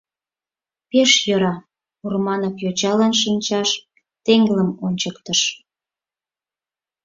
Пеш йӧра, — Урманов йочалан шинчаш теҥгылым ончыктыш.